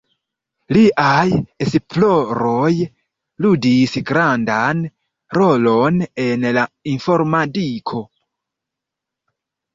Liaj esploroj ludis grandan rolon en la informadiko.